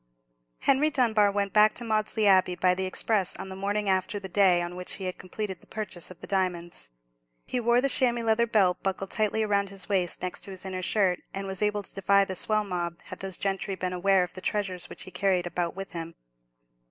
Henry Dunbar went back to Maudesley Abbey by the express on the morning after the day on which he had completed his purchase of the diamonds. He wore the chamois leather belt buckled tightly round his waist next to his inner shirt, and was able to defy the swell mob, had those gentry been aware of the treasures which he carried about with him.